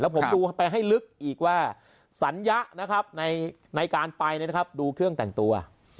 และผมดูให้ลึกนอกว่าสัญญะในการไปดูเครื่องแต่งตัว